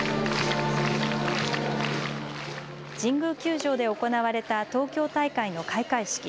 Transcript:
神宮球場で行われた東京大会の開会式。